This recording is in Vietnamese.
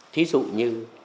thí dụ như